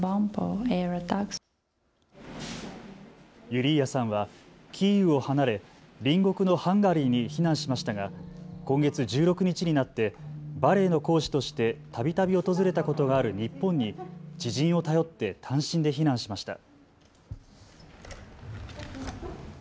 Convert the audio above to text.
ユリーアさんはキーウを離れ隣国のハンガリーに避難しましたが今月１６日になってバレエの講師としてたびたび訪れたことがある日本に知人を頼って単身で避難しました。